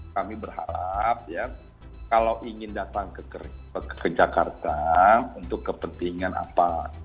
kami berharap kalau ingin datang ke jakarta untuk kepentingan apa